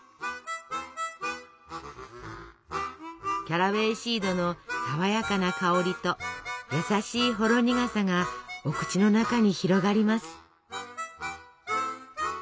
キャラウェイシードのさわやかな香りと優しいほろ苦さがお口の中に広がります。